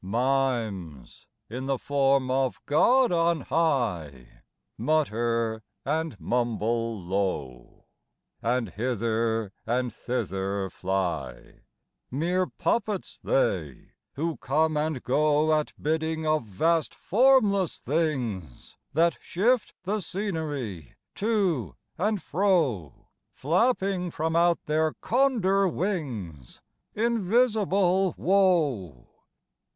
Mimes, in the form of God on high, Mutter and mumble low, And hither and thither fly—Mere puppets they, who come and goAt bidding of vast formless thingsThat shift the scenery to and fro, Flapping from out their Condor wingsInvisible Woe!